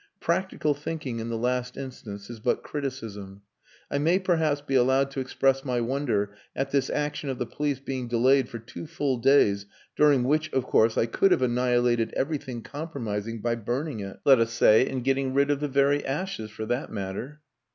Practical thinking in the last instance is but criticism. I may perhaps be allowed to express my wonder at this action of the police being delayed for two full days during which, of course, I could have annihilated everything compromising by burning it let us say and getting rid of the very ashes, for that matter."